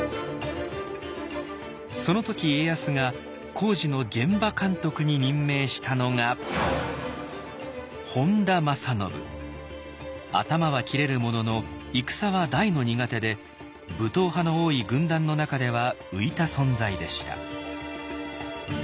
その時家康が工事の現場監督に任命したのが頭は切れるものの戦は大の苦手で武闘派の多い軍団の中では浮いた存在でした。